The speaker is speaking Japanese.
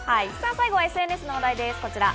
最後はＳＮＳの話題です、こちら。